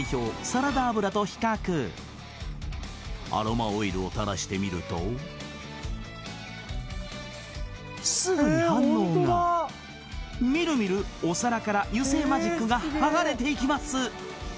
サラダ油と比較アロマオイルを垂らしてみるとすぐに反応がみるみるお皿から油性マジックがはがれていきます